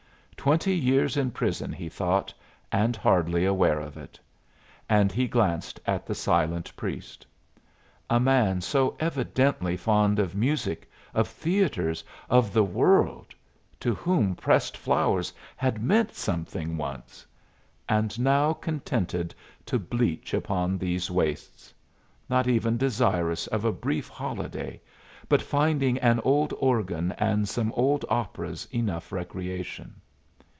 Twenty years in prison, he thought, and hardly aware of it! And he glanced at the silent priest. A man so evidently fond of music, of theatres, of the world, to whom pressed flowers had meant something once and now contented to bleach upon these wastes! Not even desirous of a brief holiday, but finding an old organ and some old operas enough recreation!